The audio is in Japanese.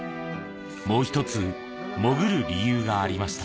もう一つ潜る理由がありました。